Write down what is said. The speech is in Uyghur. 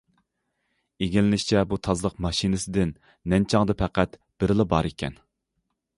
ئىگىلىنىشىچە، بۇ تازىلىق ماشىنىسىدىن نەنچاڭدا پەقەت بىرىلا بار ئىكەن.